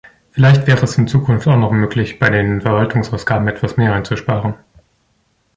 Vielleicht wäre es in Zukunft auch noch möglich, bei den Verwaltungsausgaben etwas mehr einzusparen.